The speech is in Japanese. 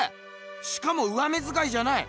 しかも上目づかいじゃない！